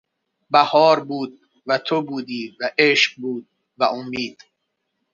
بهار بود و تو بودی و عشق بود و امید...